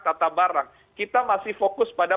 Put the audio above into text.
tata barang kita masih fokus pada